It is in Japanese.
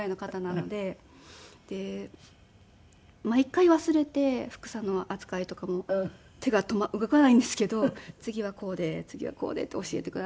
毎回忘れて帛紗の扱いとかも手が動かないんですけど次はこうで次はこうでって教えてくださって。